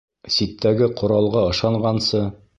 Ситтәге ҡоралға ышанғансы